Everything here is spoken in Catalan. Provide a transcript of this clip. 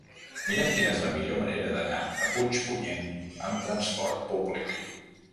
Mira'm quina és la millor manera d'anar a Puigpunyent amb transport públic.